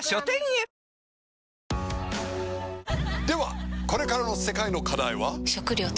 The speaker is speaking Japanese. ではこれからの世界の課題は？